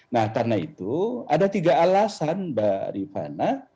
nah karena itu ada tiga alasan bapak ripana